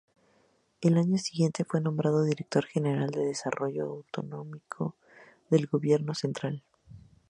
Al año siguiente fue nombrado director general de Desarrollo Autonómico del Gobierno central.